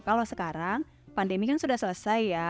kalau sekarang pandemi kan sudah selesai ya